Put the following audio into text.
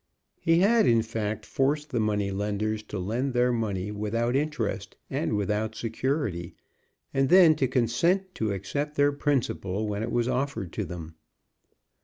He had, in fact, forced the money lenders to lend their money without interest and without security, and then to consent to accept their principal when it was offered to them.